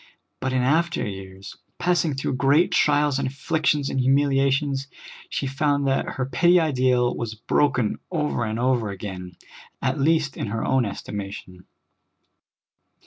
But in after years, passing through great trials and afflictions and humiliations, she found that her petty ideal was broken over and over again, at least in her own estimation.